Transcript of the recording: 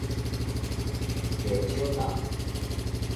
袂少人